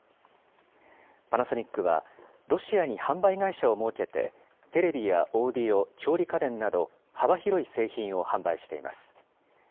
パナソニックは、ロシアに販売会社を設けて、テレビやオーディオ、調理家電など、幅広い製品を販売しています。